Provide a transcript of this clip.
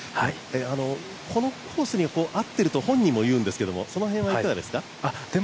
このコースに合っていると本人もいうんですけど、その辺はいかがですか？